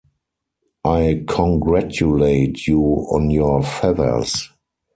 I congratulate you on your feathers.